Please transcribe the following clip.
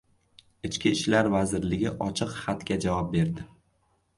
Ichki ishlar vazirligi ochiq xatga javob berdi